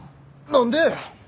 何で。